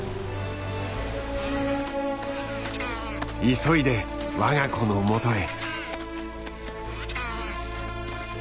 急いで我が子のもとへ。